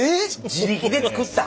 自力で作った？